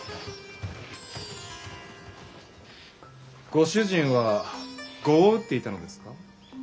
ご主人は碁を打っていたのですか？